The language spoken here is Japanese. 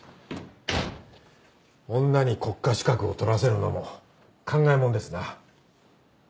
女に国家資格を取らせるのも考えもんですな。